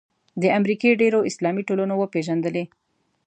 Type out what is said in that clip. د امریکې ډېرو اسلامي ټولنو وپېژندلې.